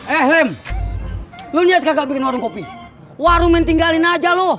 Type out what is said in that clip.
eh lem lo liat kagak bikin warung kopi warung yang tinggalin aja lo